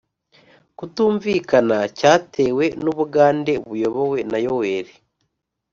kutumvikana cyatewe n u Bugande buyobowe na Yoweri